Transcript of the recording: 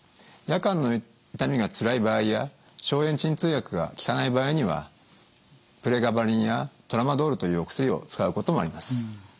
夜間の痛みがつらい場合や消炎鎮痛薬が効かない場合にはプレガバリンやトラマドールというお薬を使うこともあります。